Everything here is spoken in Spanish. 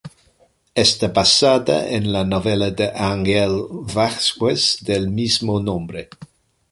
Está basada en la novela de Ángel Vázquez del mismo nombre.